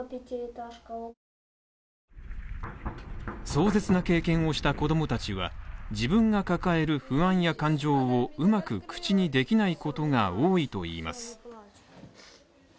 壮絶な経験をした子供たちは、自分が抱える不安や感情をうまく口にできないことが多いといいます。